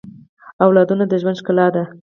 اولادونه د ژوند ښکلا ده